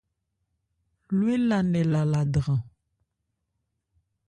Lo éla nkɛ lala dran.